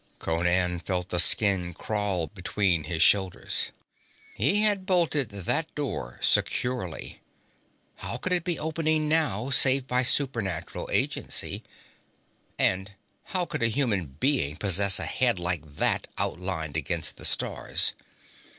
Conan felt the skin crawl between his shoulders. He had bolted that door securely. How could it be opening now, save by supernatural agency? And how could a human being possess a head like that outlined against the stars?